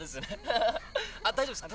あっ大丈夫ですか？